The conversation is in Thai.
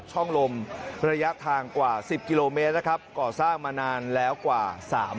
ตอนนี้ตอนนี้มีประพันธ์ขาว